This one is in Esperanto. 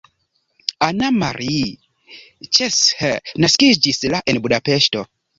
Anna Marie Cseh naskiĝis la en Budapeŝto.